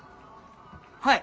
はい！